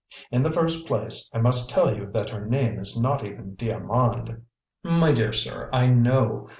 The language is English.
In the first place, I must tell you that her name is not even d'Armand " "My dear sir, I know.